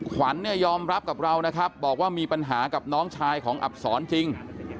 ขวัญเนี่ยยอมรับกับเรานะครับบอกว่ามีปัญหากับน้องชายของอับศรจริง